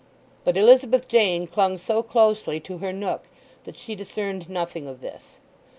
But Elizabeth Jane clung so closely to her nook that she discerned nothing of this.